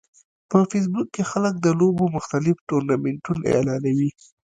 په فېسبوک کې خلک د لوبو مختلف ټورنمنټونه اعلانوي